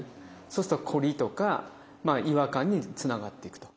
そうするとコリとか違和感につながっていくと。